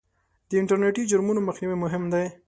د انټرنېټي جرمونو مخنیوی مهم دی.